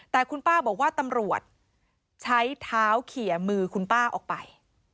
แต่คุณป้าบอกว่าตำรวจใช้เท้าเขียมือคุณป้าออกไป